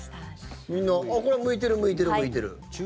みんなこれは向いてる、向いてる、向いてる。